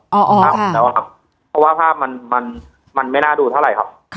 เพราะว่าภาพมันไม่น่าดูเท่าไหร่ครับ